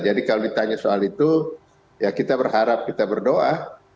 jadi kalau ditanya soal itu ya kita berharap kita berdoa